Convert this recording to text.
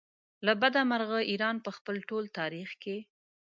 له بده مرغه ایران په خپل ټول تاریخ کې.